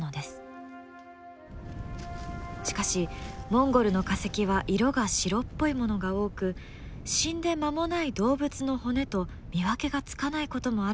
しかしモンゴルの化石は色が白っぽいものが多く死んで間もない動物の骨と見分けがつかないこともあるといいます。